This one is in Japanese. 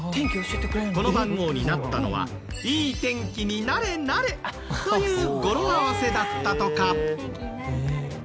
この番号になったのは「いい天気になれなれ」という語呂合わせだったとか。